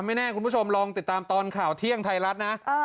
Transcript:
ไม่แน่คุณผู้ชมลองติดตามตอนข่าวเที่ยงไทยรัฐนะ